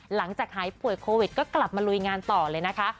หลังจากหายป่วยโควิดก็กลับมาลุยงานต่อเลยนะคะ